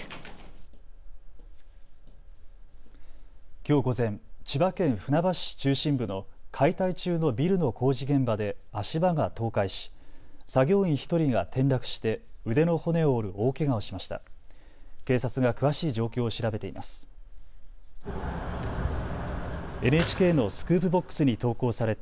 きょう午前、千葉県船橋市中心部の解体中のビルの工事現場で足場が倒壊し作業員１人が転落して腕の骨を折る大けがをしました。